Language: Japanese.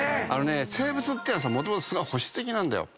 生物っていうのはもともとすごい保守的なんだよ。